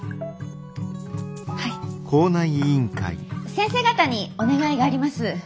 先生方にお願いがあります。